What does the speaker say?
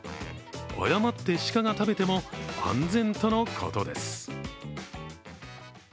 誤って鹿が食べても安全とのことです。